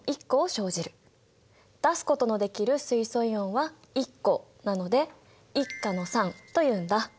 出すことのできる水素イオンは１個なので１価の酸というんだ。